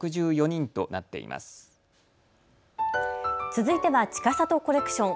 続いてはちかさとコレクション。